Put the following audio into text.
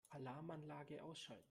Alarmanlage ausschalten.